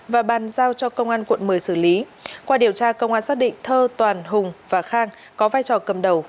và bàn giao cho công an quận một mươi xử lý qua điều tra công an xác định thơ toàn hùng và khang có vai trò cầm đầu